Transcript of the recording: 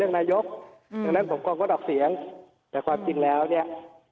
ดังนั้นเรียกเรื่องนายกงั้นผมก็พัดออกเสียงแต่ความจริงแล้วเนี่ย